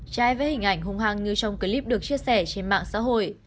trai với hình ảnh hung hăng như trong clip được chia sẻ trên mạng xã hội